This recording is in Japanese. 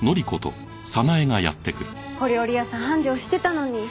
小料理屋さん繁盛してたのに。